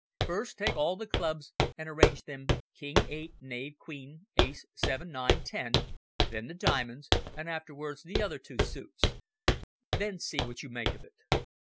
First take all the clubs and arrange them king, eight, knave, queen, ace, seven, nine, ten, then the diamonds, and afterwards the other two suites. Then see what you make of it."